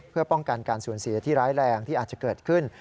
เพื่อป้องกันการสูญเสียที่ร้ายแรงที่อาจจะเกิดขึ้น